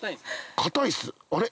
堅いっすあれ？